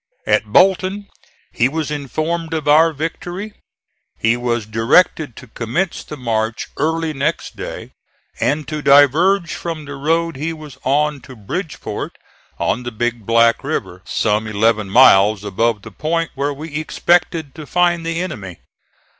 At Bolton he was informed of our victory. He was directed to commence the march early next day, and to diverge from the road he was on to Bridgeport on the Big Black River, some eleven miles above the point where we expected to find the enemy.